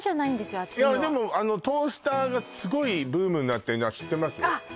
熱いのはいやでもあのトースターがすごいブームになってるのは知ってますよあっ